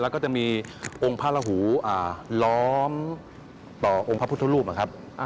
แล้วก็จะมีองค์พระหูล้อมต่อองค์พระพุทธรูปนะครับ